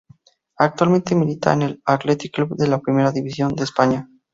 Actualmente milita en el Athletic Club de la Primera División de España.